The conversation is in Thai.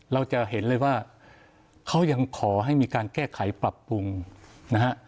เราจะเห็นเลยว่าเขายังขอให้มีการแก้ไขปรับปรุงนะฮะ